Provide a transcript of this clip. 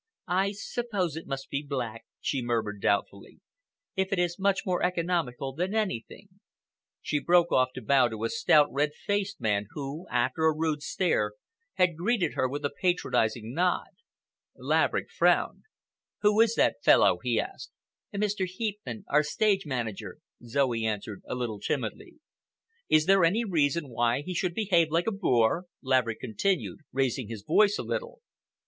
"I suppose it must be black," she murmured doubtfully. "It is much more economical than anything—" She broke off to bow to a stout, red faced man who, after a rude stare, had greeted her with a patronizing nod. Laverick frowned. "Who is that fellow?" he asked. "Mr. Heepman, our stage manager," Zoe answered, a little timidly. "Is there any particular reason why he should behave like a boor?" Laverick continued, raising his voice a little.